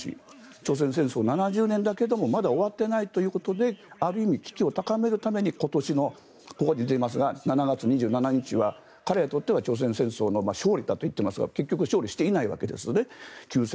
朝鮮戦争７０年だけどもまだ終わっていないということである意味、危機を高めるために今年のここに出ていますが７月２７日は彼にとっては朝鮮戦争の勝利だと言っていますが結局勝利していないわけですので休戦。